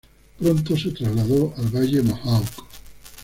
Pronto se trasladó al valle Mohawk.